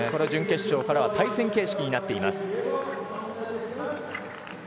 準決勝からは対戦形式になっています。